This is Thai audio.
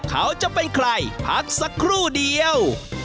เขาจะเป็นใครพักสักครู่เดียว